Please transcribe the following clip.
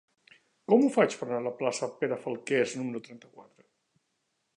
Com ho faig per anar a la plaça de Pere Falqués número trenta-quatre?